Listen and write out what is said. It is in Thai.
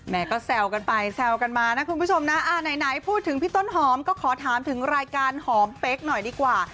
ก็แซวกันไปแซวกันมานะคุณผู้ชมนะไหนพูดถึงพี่ต้นหอมก็ขอถามถึงรายการหอมเป๊กหน่อยดีกว่า